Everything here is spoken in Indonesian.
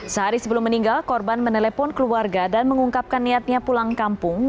sehari sebelum meninggal korban menelpon keluarga dan mengungkapkan niatnya pulang kampung